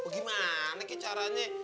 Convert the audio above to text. gimana ke caranya